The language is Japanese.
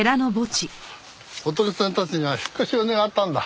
仏さんたちには引っ越しを願ったんだ。